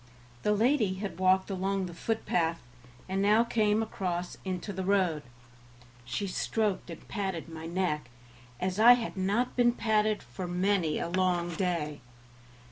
The lady had walked along the footpath, and now came across into the road. She stroked and patted my neck, as I had not been patted for many a long day.